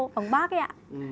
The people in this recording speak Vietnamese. bằng bác ấy ạ